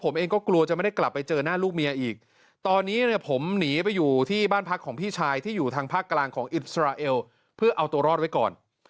บ้านพักของพี่ชายที่อยู่ทางภาคกลางของอิสราเอลเพื่อเอาตัวรอดไว้ก่อน